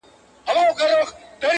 تا ښخ کړئ د سړو په خوا کي سپی دی-